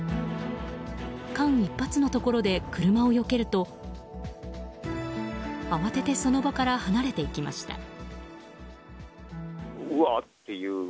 間一髪のところで車をよけると慌ててその場から離れていきました。